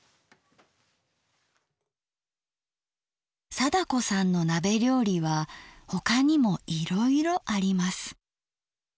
貞子さんの鍋料理は他にもいろいろあります。